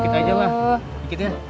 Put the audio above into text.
mau dikit aja mah